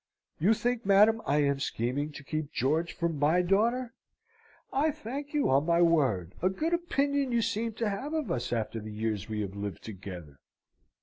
"You think, madam, I am scheming to keep George for my daughter? I thank you, on my word! A good opinion you seem to have of us after the years we have lived together!"